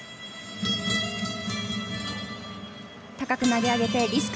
高く投げ上げてリスク。